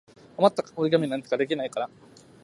あまった折り紙でなんかできないかな。